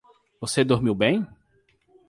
Você dormiu bem?